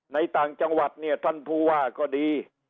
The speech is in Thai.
ต่างจังหวัดเนี่ยท่านผู้ว่าก็ดี